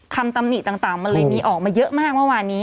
ตำหนิต่างมันเลยมีออกมาเยอะมากเมื่อวานนี้